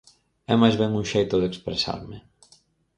É máis ben un xeito de expresarme.